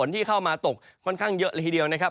ที่เข้ามาตกค่อนข้างเยอะเลยทีเดียวนะครับ